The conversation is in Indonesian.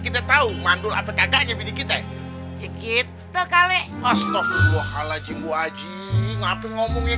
kita tahu mandul apa kagaknya video kita cek itu kali astagfirullahaladzim wajib ngapain ngomongnya